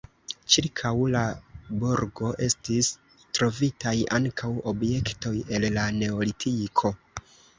Ĉirkaŭ la burgo estis trovitaj ankaŭ objektoj el la neolitiko.